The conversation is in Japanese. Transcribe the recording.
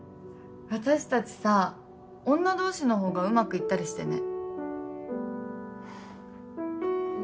私たちさ女同士の方がうまくいったりしてね。